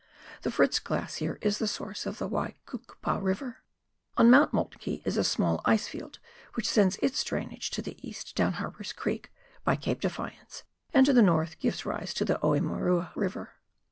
The Fritz Glacier is the source of the Waikukupa River. On Mount Moltke is a small icefield, which sends its drainage to the east down Harper's Creek, by Cape Defiance, and to the north gives rise to the Oemerua River.